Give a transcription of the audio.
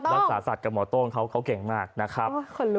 รักษาสัตว์กับหมอโต้งเขาเก่งมากนะครับ